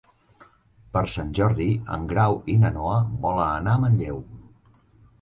Per Sant Jordi en Grau i na Noa volen anar a Manlleu.